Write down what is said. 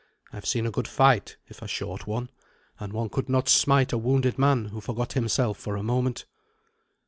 I have seen a good fight, if a short one, and one could not smite a wounded man who forgot himself for a moment."